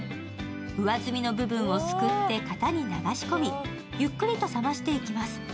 うわずみの部分をすくって型に流し込み、ゆっくりと冷ましていきます。